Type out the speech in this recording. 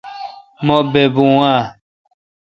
مہبےبوں آں؟